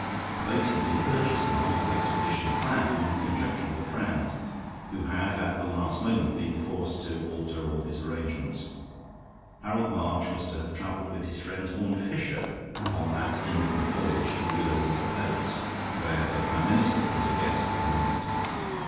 The boat had been purchased and the whole expedition planned in conjunction with a friend, who had at the last moment been forced to alter all his arrangements. Harold March was to have traveled with his friend Horne Fisher on that inland voyage to Willowood Place, where the Prime Minister was a guest at the moment.